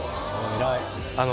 あの。